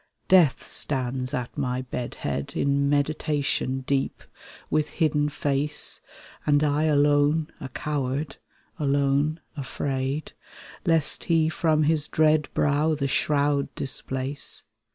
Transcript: Death stands at my bed head In meditation deep, with hidden face, And I alone — a coward — ^alone, afraid, Lest he from his dread brow the shroud displace.